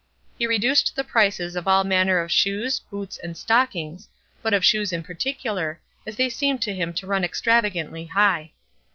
He reduced the prices of all manner of shoes, boots, and stockings, but of shoes in particular, as they seemed to him to run extravagantly high.